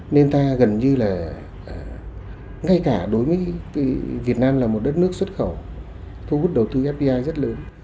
nên ta gần như là ngay cả đối với việt nam là một đất nước xuất khẩu thu hút đầu tư fdi rất lớn